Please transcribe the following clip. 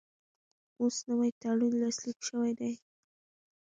اوس نوی تړون لاسلیک شوی دی.